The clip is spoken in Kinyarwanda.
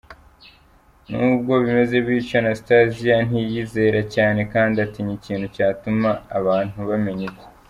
N’ubwo bimeze bityo, Anastasia ntiyiyizera cyane kandi atinya ikintu cyatuma abantu bamenya ibye.